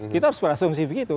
kita harus berasumsi begitu